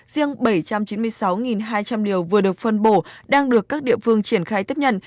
riêng bảy trăm chín mươi sáu hai trăm linh điều vừa được phân bổ đang được các địa phương triển khai tiếp nhận